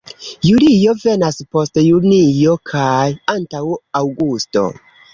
Julio venas post junio kaj antaŭ aŭgusto.